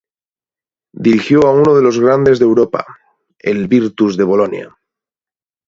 Dirigió a uno de los grandes de Europa, el Virtus de Bolonia.